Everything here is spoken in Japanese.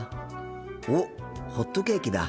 おっホットケーキだ。